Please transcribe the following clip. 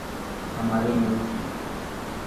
ہمارے ملک میں